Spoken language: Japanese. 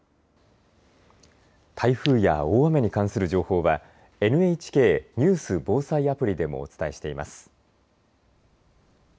台風や大雨に関する情報はＮＨＫニュース・防災アプリでもお伝えしています。